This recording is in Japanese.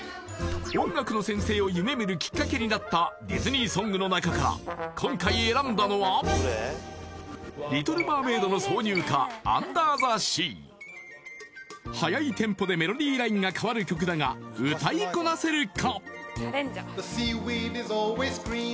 音楽の先生を夢見るキッカケになったディズニーソングの中から今回選んだのは「リトル・マーメイド」の挿入歌「アンダー・ザ・シー」速いテンポでメロディーラインが変わる曲だが歌いこなせるか？